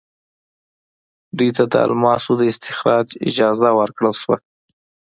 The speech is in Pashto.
دوی ته د الماسو د استخراج اجازه ورکړل شوه.